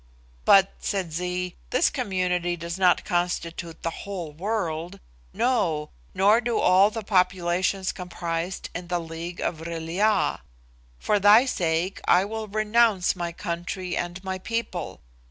"But," said Zee, "this community does not constitute the whole world. No; nor do all the populations comprised in the league of the Vril ya. For thy sake I will renounce my country and my people.